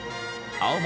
青森